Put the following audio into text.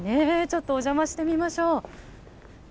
ちょっとお邪魔してみましょう。